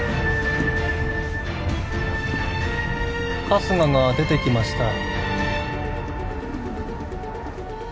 春日が出てきました